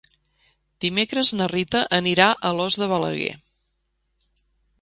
Dimecres na Rita anirà a Alòs de Balaguer.